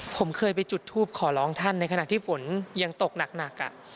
ผมเคยไปจุดทูปขอร้องท่านในขณะที่ฝนยังตกหนัก